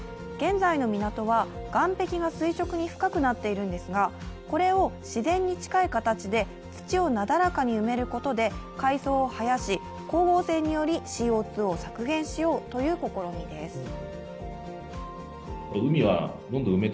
現在の港は、岸壁が垂直に深くなっているんですが、これを自然に近い形で土をなだらかに埋めることで海藻を生やし、光合成によりＣＯ２を削減しようという試みです。